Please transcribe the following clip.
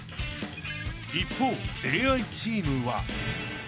［一方ＡＩチームは］